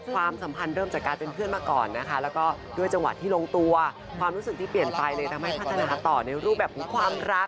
ความสัมพันธ์เริ่มจากการเป็นเพื่อนมาก่อนนะคะแล้วก็ด้วยจังหวะที่ลงตัวความรู้สึกที่เปลี่ยนไปเลยทำให้พัฒนาต่อในรูปแบบของความรัก